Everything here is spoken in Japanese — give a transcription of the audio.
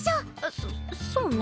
そそうね。